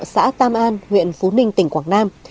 xã tam an huyện phú ninh tỉnh quảng nam